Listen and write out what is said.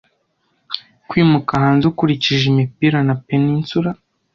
Kwimuka hanze ukurikije imipira na peninsula